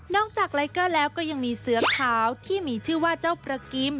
จากไลเกอร์แล้วก็ยังมีเสือขาวที่มีชื่อว่าเจ้าประกิม